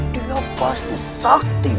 dinapas di sakti